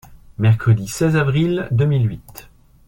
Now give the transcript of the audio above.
Mercredi seize avril deux mille huit.